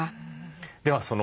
では